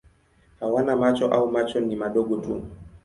Hawana macho au macho ni madogo tu.